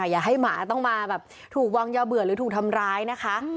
อย่าให้หมาต้องมาแบบถูกวางยาเบื่อหรือถูกทำร้ายนะคะ